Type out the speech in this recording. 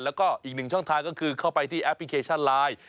แล้วก็อีกหนึ่งช่องทางก็คือเข้าไปที่แอปพลิเคชันไลน์